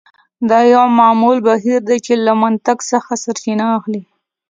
دا یو معمول بهیر دی چې له منطق څخه سرچینه اخلي